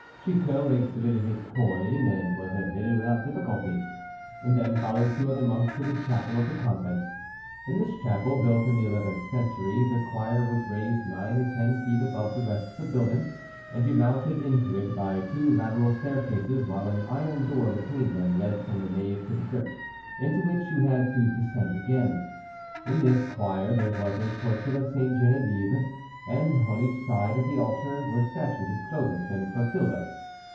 Chicot exhibited his coin, and was admitted without difficulty, and then followed two other monks to the chapel of the convent. In this chapel, built in the eleventh century, the choir was raised nine or ten feet above the rest of the building, and you mounted into it by two lateral staircases, while an iron door between them led from the nave to the crypt, into which you had to descend again. In this choir there was a portrait of St. Geneviève, and on each side of the altar were statues of Clovis and Clotilda.